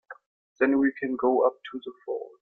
Then we can go up to the falls.